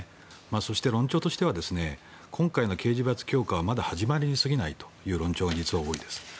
そして、論調としては今回の刑事罰強化はまだ始まりに過ぎないという論調が実は多いです。